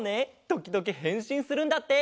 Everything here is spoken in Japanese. ときどきへんしんするんだって！